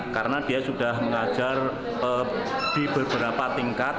karena dia sudah mengajar di beberapa tingkat